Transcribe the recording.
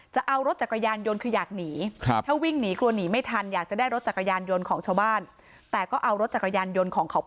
เจ้าของบ้าน